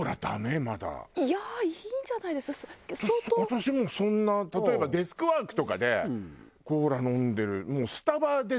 私もうそんな例えばデスクワークとかでコーラ飲んでる。